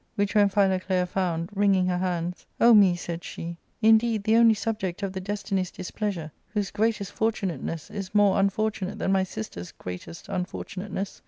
Which when Philoclea found, wringing her hands, "O me," said she, " indeed the only subject of the destinies* dis pleasure, whose greatest fortunateness is more unfortunate than my sister's greatest unfortunateness.